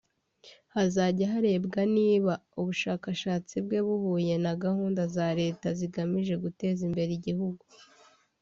hazajya harebwa niba ubushakashatsi bwe buhuye na gahunda za Leta zigamije guteza imbere igihugu